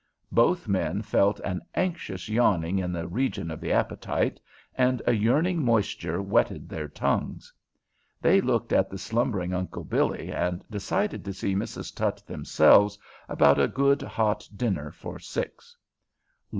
Both men felt an anxious yawning in the region of the appetite, and a yearning moisture wetted their tongues. They looked at the slumbering Uncle Billy and decided to see Mrs. Tutt themselves about a good, hot dinner for six.